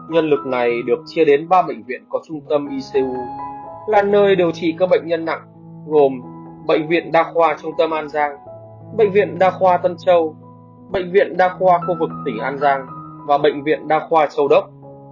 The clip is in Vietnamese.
nhân lực này được chia đến ba bệnh viện có trung tâm icu là nơi điều trị các bệnh nhân nặng gồm bệnh viện đa khoa trung tâm an giang bệnh viện đa khoa tân châu bệnh viện đa khoa khu vực tỉnh an giang và bệnh viện đa khoa châu đốc